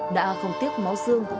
đã không tiếc máu xương